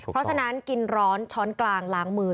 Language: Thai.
เพราะฉะนั้นกินร้อนช้อนกลางล้างมือ